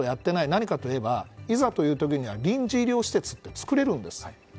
何かといえば、いざという時には臨時医療施設って作れるんです。